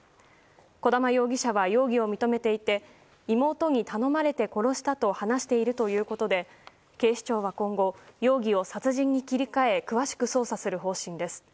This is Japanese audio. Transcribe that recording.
小玉容疑者は容疑を認めていて妹に頼まれて殺したと話しているということで警視庁は今後容疑を殺人に切り替え詳しく捜査する方針です。